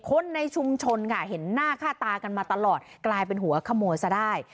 คนในชุมชนค่ะเห็นหน้าค่าตากันมาตลอดกลายเป็นหัวขโมยซะได้